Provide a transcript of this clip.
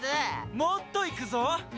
もっといくぞ。